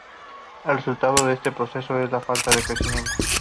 El resultado de este proceder es la falta de crecimiento.